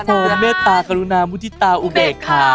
พระผมเมตตากรุณามุฒิตาอุเวกค่ะ